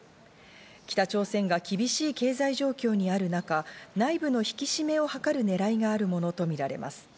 北朝鮮が厳しい経済状況にある中、内部の引き締めを図るねらいがあるものとみられます。